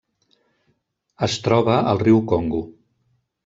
Es troba al riu Congo.